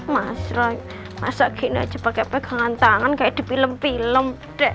mas roy masa kini aja pakai pegangan tangan kayak di film film